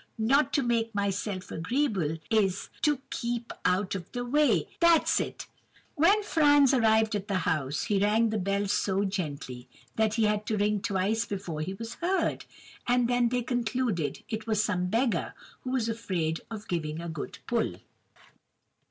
not to make myself agreeable—is to—keep out of the way!—that's it!' (with a sigh.) "When Franz arrived at the house, he rang the bell so gently, that he had to ring twice before he was heard; and then they concluded it was some beggar, who was afraid of giving a good pull.